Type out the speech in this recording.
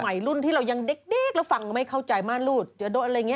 รุ่นที่เรายังเด็กแล้วฟังไม่เข้าใจม่ารูดจะโดนอะไรอย่างนี้